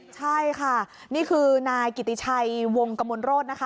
ใช่ค่ะนี่คือนายกิติชัยวงกมลโรธนะคะ